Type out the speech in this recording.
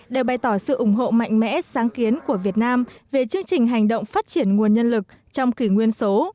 đều bày tỏ sự ủng hộ mạnh mẽ sáng kiến của việt nam về chương trình hành động phát triển nguồn nhân lực trong kỷ nguyên số